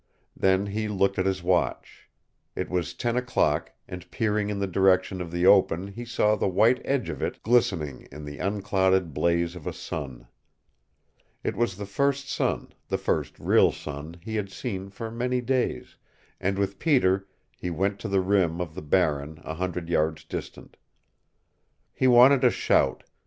Then he looked at his watch. It was ten o'clock and peering in the direction of the open he saw the white edge of it glistening in the unclouded blaze of a sun. It was the first sun the first real sun he had seen for many days, and with Peter he went to the rim of the barren a hundred yards distant. He wanted to shout.